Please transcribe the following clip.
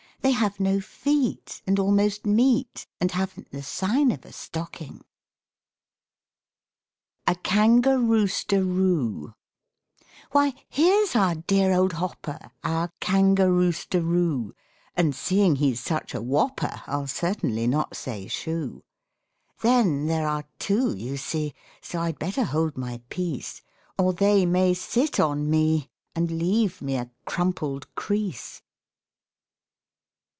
They have no feet, And almost meet, And haven't the sign of a stocking. A KANGAR ROOSTER ROO Why, here's our dear old hopper, Our Kangar rooster roo! And seeing he's such a whopper, I'll certainly not say "Shoo"! Then there are two, you see, So I'd better hold my peace, Or they may sit on me And leave me a crumpled crease.